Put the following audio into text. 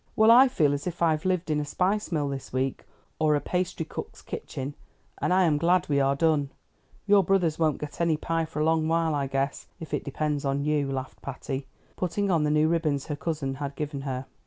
"Well, I feel as if I'd lived in a spice mill this week, or a pastry cook's kitchen; and I am glad we are done. Your brothers won't get any pie for a long while I guess, if it depends on you," laughed Patty, putting on the new ribbons her cousin had given her.